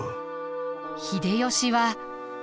秀吉は。